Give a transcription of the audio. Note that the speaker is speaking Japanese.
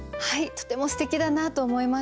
とてもすてきだなと思いました。